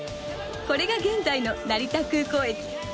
これが現在の成田空港駅。